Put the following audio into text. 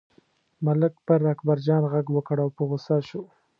ملک پر اکبرجان غږ وکړ او په غوسه شو.